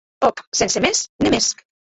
Òc, sense mès ne mès.